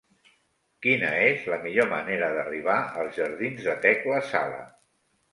Quina és la millor manera d'arribar als jardins de Tecla Sala?